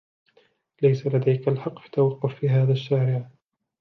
ليس لديك الحق في التوقف في هذا الشارع.